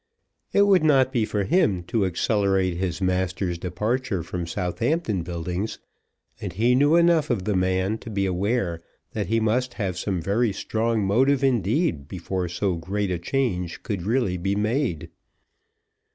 It would not be for him to accelerate his master's departure from Southampton Buildings, and he knew enough of the man to be aware that he must have some very strong motive indeed before so great a change could be really made.